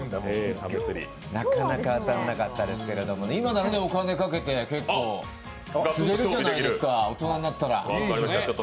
なかなか当たらなかったですけど今ならお金をかけて結構釣れるじゃないですか、大人になったら、。